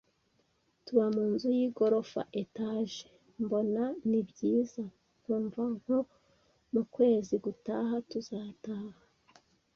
Tuba mu nzu y’igorofa (etage), mbona ni byiza, nkumva nko mu kwezi gutaha tuzataha.